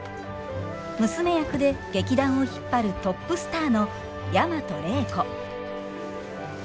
娘役で劇団を引っ張るトップスターの大和礼子。